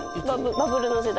バブルの時代。